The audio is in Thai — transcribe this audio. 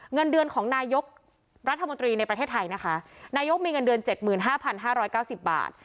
เงินเดือนของนายกรัฐมนตรีในประเทศไทยนะคะนายกมีเงินเดือนเจ็ดหมื่นห้าพันห้าร้อยเก้าสิบบาท